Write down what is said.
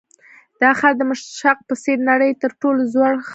دا ښار د دمشق په څېر د نړۍ تر ټولو زوړ ښار بلل کېږي.